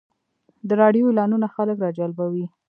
د راډیو اعلانونه خلک راجلبوي.